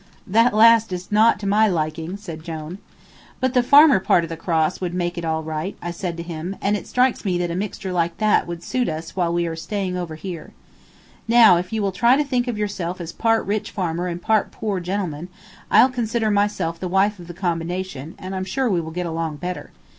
"That last is not to my liking," said Jone. "But the farmer part of the cross would make it all right," I said to him, "and it strikes me that a mixture like that would just suit us while we are staying over here. Now, if you will try to think of yourself as part rich farmer and part poor gentleman, I'll consider myself the wife of the combination, and I am sure we will get along better.